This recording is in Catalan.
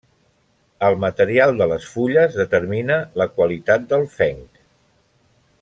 El material de les fulles determina la qualitat del fenc.